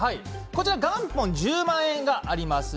元本１０万円があります。